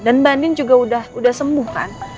dan mbak anin juga udah sembuh kan